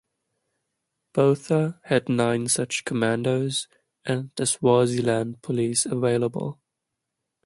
Botha had nine such commandos and the Swaziland Police available.